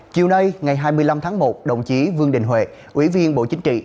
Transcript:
chiều nay ngày hai mươi năm tháng một đồng chí vương đình huệ ủy viên bộ chính trị